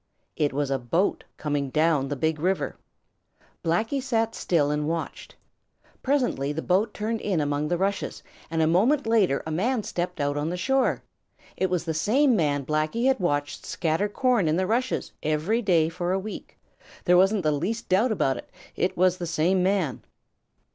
It was a boat coming down the Big River. Blacky sat still and watched. Presently the boat turned in among the rushes, and a moment later a man stepped out on the shore. It was the same man Blacky had watched scatter corn in the rushes every day for a week. There wasn't the least doubt about it, it was the same man.